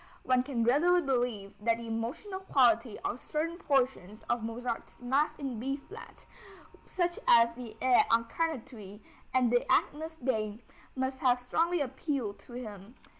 One can readily believe that the emotional quality of certain portions of Mozart's Mass in B flat, such as the Et incarnatus and the Agnus Dei, must have strongly appealed to him.